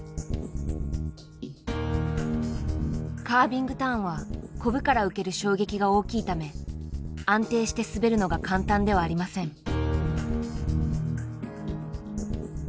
カービングターンはコブから受ける衝撃が大きいため安定して滑るのが簡単ではありません。